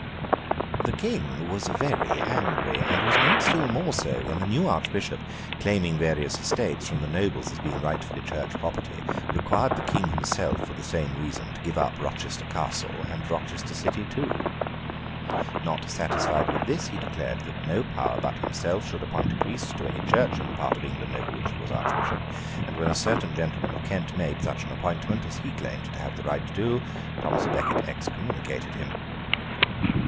The King was very angry; and was made still more so, when the new Archbishop, claiming various estates from the nobles as being rightfully Church property, required the King himself, for the same reason, to give up Rochester Castle, and Rochester City too. Not satisfied with this, he declared that no power but himself should appoint a priest to any Church in the part of England over which he was Archbishop; and when a certain gentleman of Kent made such an appointment, as he claimed to have the right to do, Thomas à Becket excommunicated him.